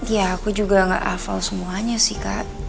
ya aku juga gak hafal semuanya sih kak